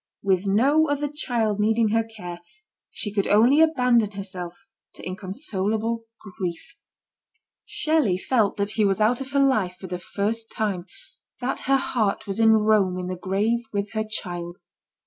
With no other child needing her care, she could only abandon herself to inconsolable grief. Shelley felt BIRTH OF A SON. 141 that he was out of her life for the first time ; that her heart was in Rome in the grave with her child.